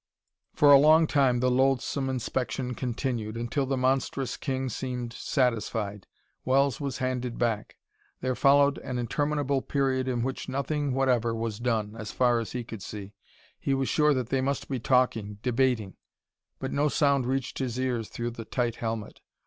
For a long time the loathsome inspection continued, until the monstrous king seemed satisfied. Wells was handed back. There followed an interminable period in which nothing whatever was done, as far as he could see. He was sure that they must be talking, debating, but no sound reached his ears through the tight helmet.